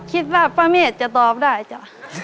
คิดว่าป้าเมฆจะตอบได้จ้ะ